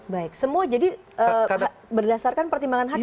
baik semua jadi berdasarkan pertimbangan hakim